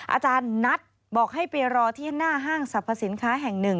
อาจารย์นัทบอกให้ไปรอที่หน้าห้างสรรพสินค้าแห่งหนึ่ง